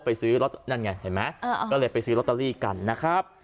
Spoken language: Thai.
ซื้อรถนั่นไงเห็นไหมก็เลยไปซื้อลอตเตอรี่กันนะครับ